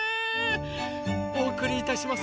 おおくりいたします